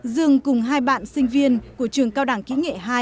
dương cùng hai bạn sinh viên của trường cao đẳng kiện hai